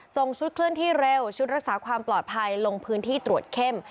ส่งชุดเคลื่อนที่เร็วชุดรักษาความปลอดภัยลงพื้นที่ตรวจเข้ม